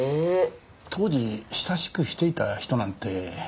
当時親しくしていた人なんていたかな？